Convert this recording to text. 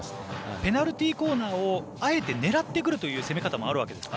ペナルティーコーナーをあえて狙ってくるという攻め方もあるわけですか？